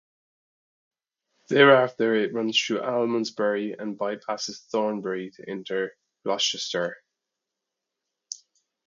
Thereafter it runs through Almondsbury and by-passes Thornbury to enter Gloucestershire.